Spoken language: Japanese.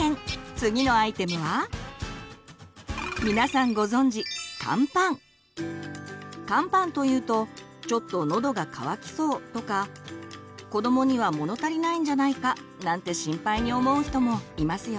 次のアイテムは皆さんご存じカンパンというと「ちょっとのどが渇きそう」とか「子どもには物足りないんじゃないか」なんて心配に思う人もいますよね。